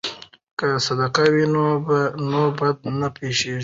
که صدقه وي نو بد نه پیښیږي.